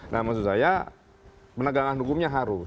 nah maksud saya penegakan hukumnya harus